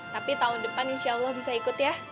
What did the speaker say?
tapi tahun depan insya allah bisa ikut ya